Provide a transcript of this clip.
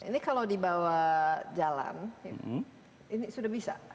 ini kalau dibawa jalan ini sudah bisa